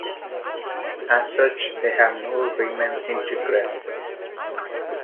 As such, they have no Riemann integral.